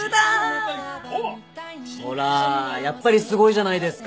ほらやっぱりすごいじゃないですか。